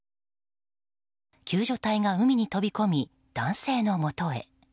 救助隊が海に飛び込み男性のもとへ。